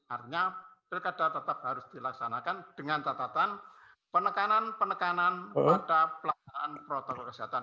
artinya pilkada tetap harus dilaksanakan dengan catatan penekanan penekanan pada pelaksanaan protokol kesehatan